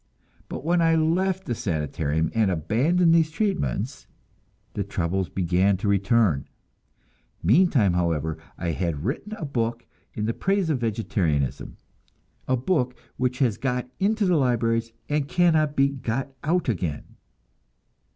But when I left the Sanitarium, and abandoned the treatments, the troubles began to return. Meantime, however, I had written a book in praise of vegetarianism a book which has got into the libraries, and cannot be got out again!